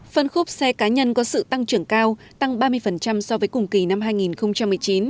phân khúc xe cá nhân có sự tăng trưởng cao tăng ba mươi so với cùng kỳ năm hai nghìn một mươi chín